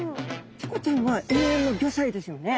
チコちゃんは永遠の５歳ですよね。